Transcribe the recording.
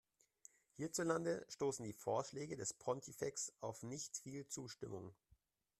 Hierzulande stoßen die Vorschläge des Pontifex auf nicht viel Zustimmung.